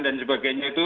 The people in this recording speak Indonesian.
dan sebagainya itu